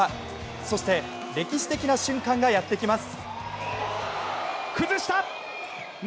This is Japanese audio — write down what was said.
そして、歴史的な瞬間がやってきます。